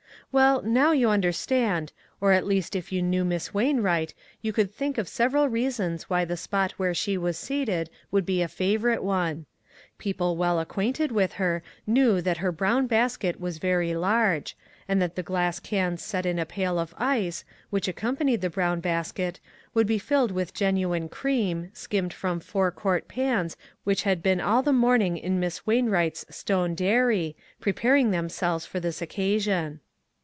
Well, now you understand, or at least if you knew Miss Wainvvright, you could think of several reasons why the spot where she was seated would be a favorite one. People well acquainted with her knew that her brown basket was very large, and that the glass cans set in a pail of ice, which accompanied the brown basket, would be filled with genuine cream, skimmed from, four quart pans which had been all the morning in Miss Wainwright's stone dairy, preparing themselves for this occasion.